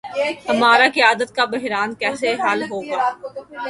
ہمارا قیادت کا بحران کیسے حل ہو گا۔